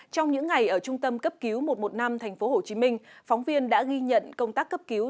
trong những ngày ở trung tâm cấp cứu một trăm một mươi năm tp hcm phóng viên đã ghi nhận công tác cấp cứu